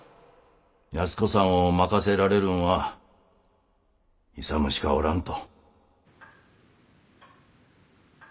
安子さんを任せられるんは勇しかおらんと。